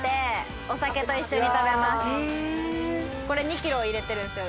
これ２ｋｇ入れてるんですよ。